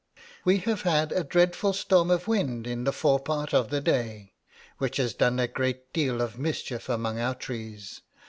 _ 'We have had a dreadful storm of wind in the forepart of the day, which has done a great deal of mischief among our trees.